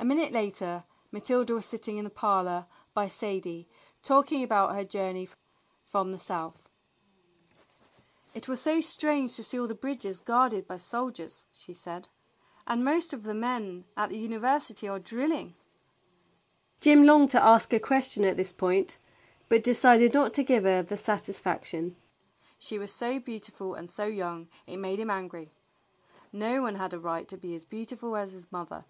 A minute later Matilda was sitting in the parlor by Sadie, talking about her journey from the South. 12 THE BLUE AUNT "It was so strange to see all the bridges guarded by soldiers," she said. "And most of the men at the University are drilling." Jim longed to ask a question at this point, but de cided not to give her this satisfaction. She was so beautiful and so young it made him angry. No one had a right to be as beautiful as his mother.